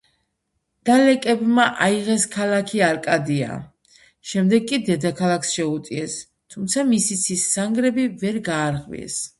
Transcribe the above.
დალეკებმა აიღეს ქალაქი არკადია, შემდეგ კი დედაქალაქს შეუტიეს, თუმცა მისი ცის სანგრები ვერ გაარღვიეს.